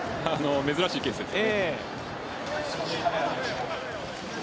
珍しいケースですね。